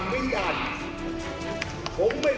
ผมไม่ทนใจทำงานโรงแรม